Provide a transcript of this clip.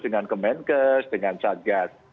dengan kemenkes dengan satgas